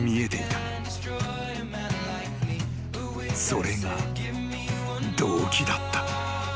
［それが動機だった］